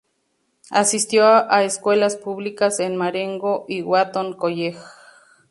Asistió a escuelas públicas en Marengo y al Wheaton College.